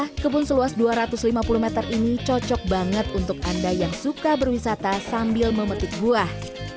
nah kebun seluas dua ratus lima puluh meter ini cocok banget untuk anda yang suka berwisata sambil memetik buah